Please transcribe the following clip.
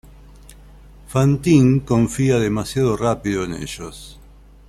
Fantine 'confía' demasiado rápido en ellos.